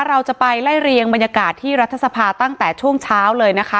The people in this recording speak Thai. เราจะไปไล่เรียงบรรยากาศที่รัฐสภาตั้งแต่ช่วงเช้าเลยนะคะ